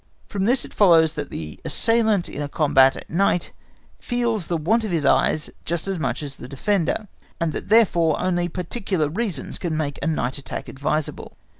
From this it follows, that the assailant in a combat at night feels the want of his eyes just as much as the defender, and that therefore, only particular reasons can make a night attack advisable.